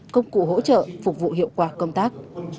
công cụ hỗ trợ phục vụ hiệu quả công tác